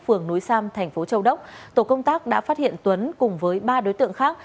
phường núi sam thành phố châu đốc tổ công tác đã phát hiện tuấn cùng với ba đối tượng khác